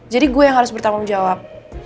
jadi gue yang harus bertanggung jawab